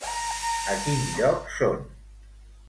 A quin lloc són?